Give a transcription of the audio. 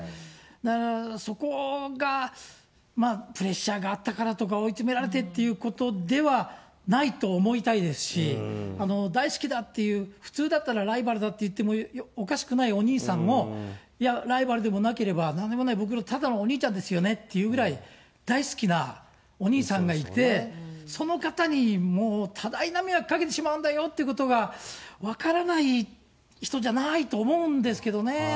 だからそこがまあ、プレッシャーがあったからとか、追い詰められてっていうことではないと思いたいですし、大好きだっていう、普通だったらライバルだって言ってもおかしくないお兄さんも、いや、ライバルでもなければなんでもない、僕のただのお兄ちゃんですよねって言うぐらい大好きなお兄さんがいて、その方にもう、多大な迷惑かけてしまうんだよっていうことが分からない人じゃないと思うんですけどね。